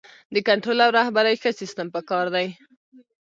د کنټرول او رهبرۍ ښه سیستم پکار دی.